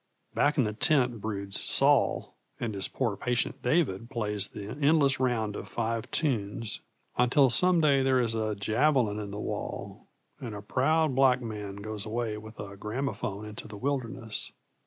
Back in the tent broods Saul, and this poor patient David plays the endless round of five tunes. Until some day there is a javelin in the wall, and a proud black man goes away with a gramophone into the wilderness.